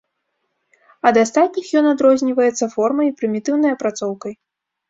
Ад астатніх ён адрозніваецца формай і прымітыўнай апрацоўкай.